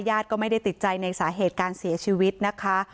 ญาติก็ไม่ได้ติดใจในสาเหตุการเสียชีวิตนะคะ